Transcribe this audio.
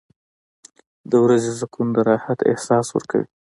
• د ورځې سکون د راحت احساس ورکوي.